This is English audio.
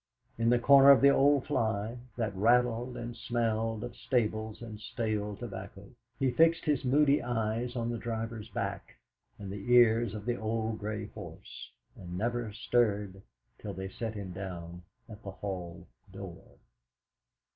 In the corner of the old fly, that rattled and smelled of stables and stale tobacco, he fixed his moody eyes on the driver's back and the ears of the old grey horse, and never stirred till they set him down at the hall door.